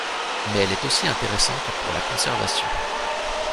Mais elle est aussi intéressante pour la conservation.